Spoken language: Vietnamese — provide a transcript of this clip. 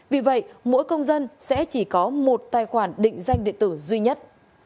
vì vậy mỗi công dân sẽ chỉ có một tài khoản định danh điện tử duy nhất